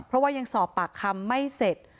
เพราะว่ายังสอบปากคำไม่เสร็จ